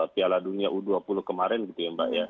piala dunia u dua puluh kemarin gitu ya mbak ya